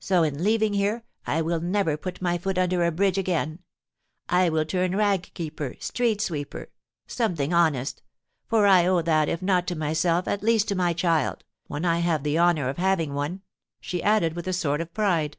So, in leaving here, I will never put my foot under a bridge again. I will turn rag picker, street sweeper, something honest; for I owe that, if not to myself, at least to my child, when I have the honour of having one," she added, with a sort of pride.